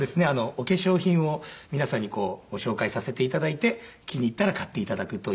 お化粧品を皆さんにご紹介させて頂いて気に入ったら買って頂くという。